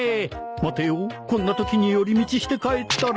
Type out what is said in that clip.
待てよこんなときに寄り道して帰ったら